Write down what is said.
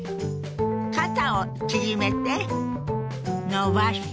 肩を縮めて伸ばして。